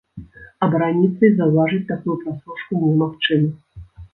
Абараніцца і заўважыць такую праслушку немагчыма.